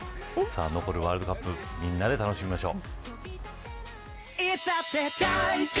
残るワールドカップみんなで楽しみましょう。